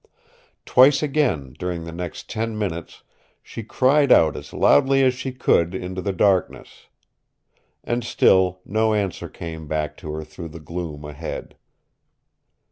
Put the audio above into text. Twice again during the next ten minutes she cried out as loudly as she could into the darkness. And still no answer came back to her through the gloom ahead.